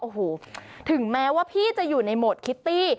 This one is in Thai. โอ้โหถึงแม้ว่าพี่จะอยู่ในโหมดคิตตี้